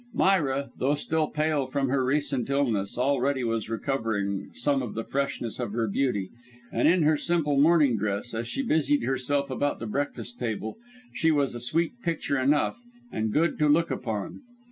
Myra, though still pale from her recent illness, already was recovering some of the freshness of her beauty, and in her simple morning dress, as she busied herself about the breakfast table, she was a sweet picture enough, and good to look upon.